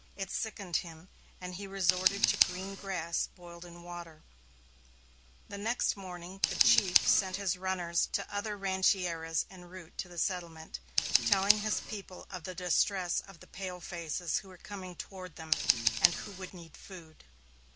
It sickened him, and he resorted to green grass boiled in water. The following morning the chief sent his runners to other rancherias, en route to the settlement, telling his people of the distress of the pale faces who were coming toward them, and who would need food.